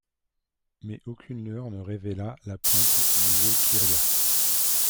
Mais aucune lueur ne révéla la pointe du Volquiria.